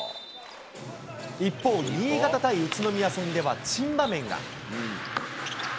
一方、新潟対宇都宮戦では珍場面が。